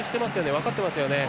分かってますよね。